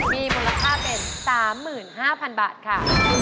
มีมูลค่าเป็น๓๕๐๐๐บาทค่ะ